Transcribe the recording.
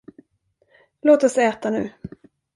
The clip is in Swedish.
Låt oss äta nu!